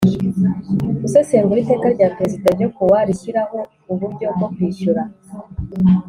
Gusesengura iteka rya perezida ryo ku wa rishyiraho uburyo bwo kwishyura